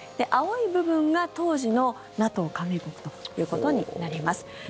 青い部分が当時のＮＡＴＯ加盟国ということになります。